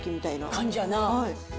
感じやな。